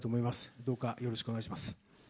どうかよろしくお願いします。